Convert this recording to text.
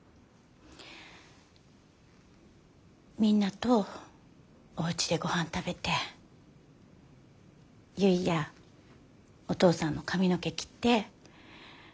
みんなとおうちで御飯食べて結やお父さんの髪の毛切って。